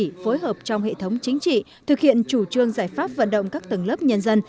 ủy phối hợp trong hệ thống chính trị thực hiện chủ trương giải pháp vận động các tầng lớp nhân dân